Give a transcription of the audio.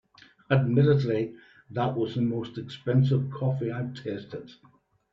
Admittedly, that is the most expensive coffee I’ve tasted.